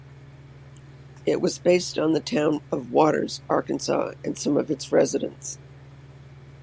It was based on the town of Waters, Arkansas, and some of its residents.